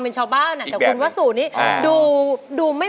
เพื่อจะไปชิงรางวัลเงินล้าน